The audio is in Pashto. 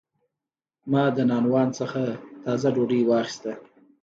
ما د نانوان څخه تازه ډوډۍ واخیسته.